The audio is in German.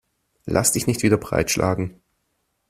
Lass dich nicht wieder breitschlagen.